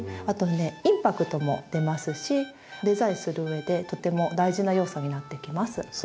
あとねインパクトも出ますしデザインするうえでとても大事な要素になってきます。